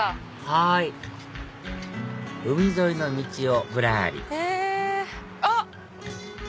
はい海沿いの道をぶらりあっ！